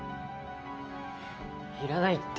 いらないって。